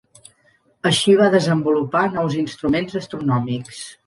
Així va desenvolupar nous instruments astronòmics.